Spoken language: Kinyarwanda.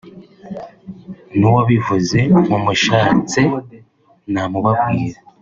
n’uwabivuze mumushatse namubabwira